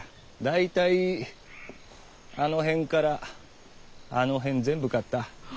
大体あの辺からあの辺全部買った。